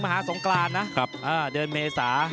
มหาสงกรานนะเดือนเมษา